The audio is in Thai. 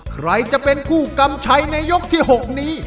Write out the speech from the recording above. ใครจะเป็นคู่กำชัยในยกที่๖นี้